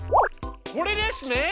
これですね！